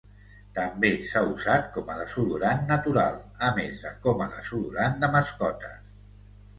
També s'ha usat com a desodorant natural, a més de com a desodorant de mascotes.